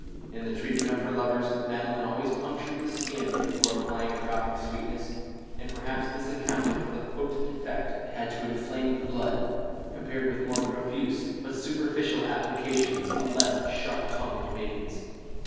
In the treatment of her lovers, Madeline always punctured the skin before applying a drop of sweetness, and perhaps this accounted for the potent effect it had to inflame the blood, compared with more profuse but superficial applications of less sharp tongued maidens.